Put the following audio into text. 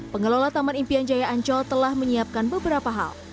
pengelola taman impian jaya ancol telah menyiapkan beberapa hal